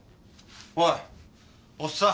おいおっさん！